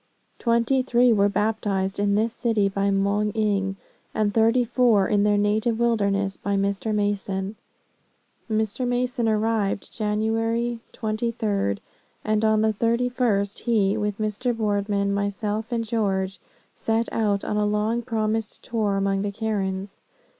Twenty three were baptized in this city by Moung Ing, and thirty four in their native wilderness by Mr. Mason. "Mr. Mason arrived Jan. 23d, and on the 31st, he, with Mr. Boardman, myself and George, set out on a long promised tour among the Karens.